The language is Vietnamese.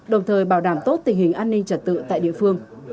đồng thời bảo đảm tốt tình hình an ninh trật tự tại địa phương